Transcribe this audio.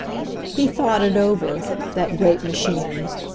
He thought it aver — that great machine.